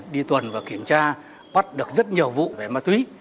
đi tuần và kiểm tra bắt được rất nhiều vụ về ma túy